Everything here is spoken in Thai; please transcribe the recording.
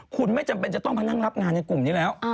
คุณไม่จำเป็นจะต้องมานั่งรับงานในกลุ่มนี้แล้ว